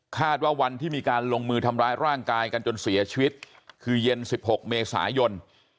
ว่าวันที่มีการลงมือทำร้ายร่างกายกันจนเสียชีวิตคือเย็น๑๖เมษายน